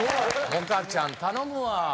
萌歌ちゃん頼むわ。